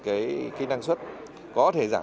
cái năng suất có thể giảm